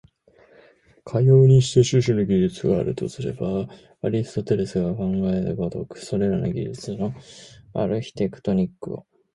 かようにして種々の技術があるとすれば、アリストテレスが考えた如く、それらの技術のアルヒテクトニックを、